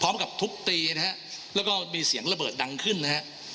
พร้อมกับทุกตีนะครับแล้วก็มีเสียงระเบิดดังขึ้นนะครับ